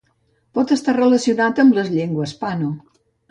Pot estar relacionat amb les llengües pano.